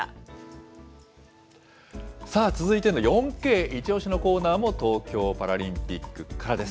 さあ、続いての４Ｋイチオシ！のコーナーも、東京パラリンピックからです。